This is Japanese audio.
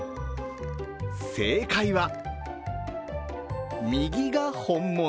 正解は右が本物。